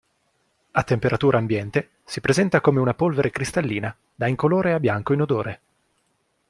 A temperatura ambiente si presenta come una polvere cristallina da incolore a bianco inodore.